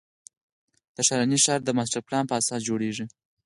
د ښرنې ښار د ماسټر پلان په اساس جوړېږي.